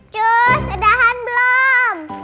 jus sedahan belum